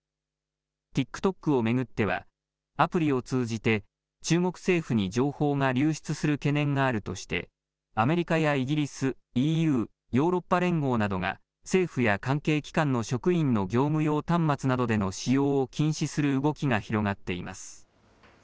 ＴｉｋＴｏｋを巡っては、アプリを通じて、中国政府に情報が流出する懸念があるとして、アメリカやイギリス、ＥＵ・ヨーロッパ連合などが、政府や関係機関の職員の業務用端末などでの使用を禁止する動きが広がっています。